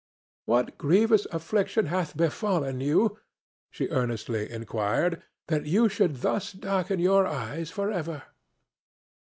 "What grievous affliction hath befallen you," she earnestly inquired, "that you should thus darken your eyes for ever?"